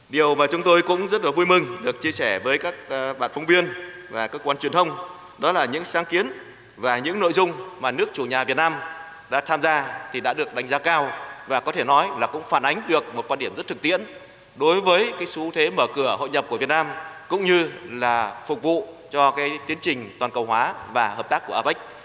điều mà chúng tôi cũng rất là vui mừng được chia sẻ với các bạn phóng viên và các quan truyền thông đó là những sáng kiến và những nội dung mà nước chủ nhà việt nam đã tham gia thì đã được đánh giá cao và có thể nói là cũng phản ánh được một quan điểm rất thực tiễn đối với cái xu thế mở cửa hội nhập của việt nam cũng như là phục vụ cho cái tiến trình toàn cầu hóa và hợp tác của apec